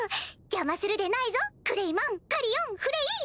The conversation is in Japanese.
邪魔するでないぞクレイマンカリオンフレイ！